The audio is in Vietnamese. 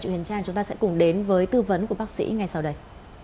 chuyện huyền trang chúng ta sẽ cùng đến với tư vấn của bác sĩ ngay sau đây